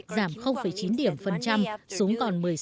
giảm chín xuống còn một mươi sáu bốn